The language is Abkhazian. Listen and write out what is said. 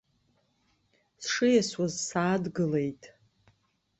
Сшиасуаз саадгылеит.